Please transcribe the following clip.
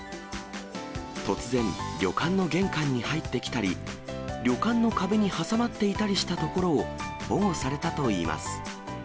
突然、旅館の玄関に入ってきたり、旅館の壁に挟まっていたりしたところを、保護されたといいます。